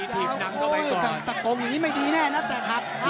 สะกงอย่างนี้ไม่ดีแน่นะแต่หัก